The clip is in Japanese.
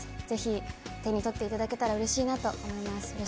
ぜひ手に取っていただけたらうれしいなと思います。